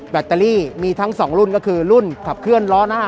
แบตเตอรี่มีทั้งสองรุ่นก็คือรุ่นขับเคลื่อนล้อหน้า